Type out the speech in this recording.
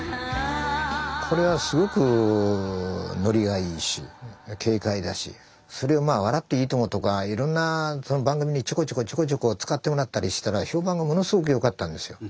これはすごくノリがいいし軽快だしそれを「笑っていいとも！」とかいろんな番組にちょこちょこちょこちょこ使ってもらったりしたら評判がものすごく良かったんですよ。